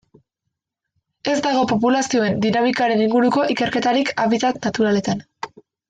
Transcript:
Ez dago populazioen dinamikaren inguruko ikerketarik habitat naturaletan.